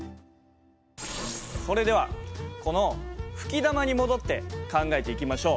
それではこの吹き玉に戻って考えていきましょう。